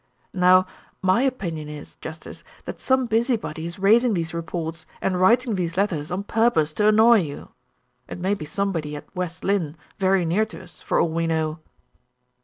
Now, my opinion is, justice, that some busybody is raising these reports and writing these letters on purpose to annoy you. It may be somebody at West Lynne, very near to us, for all we know."